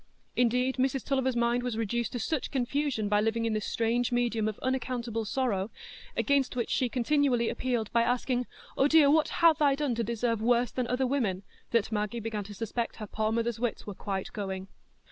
Indeed, Mrs Tulliver's mind was reduced to such confusion by living in this strange medium of unaccountable sorrow, against which she continually appealed by asking, "Oh dear, what have I done to deserve worse than other women?" that Maggie began to suspect her poor mother's wits were quite going.